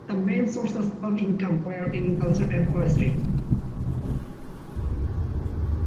The main sources of income were agriculture and forestry.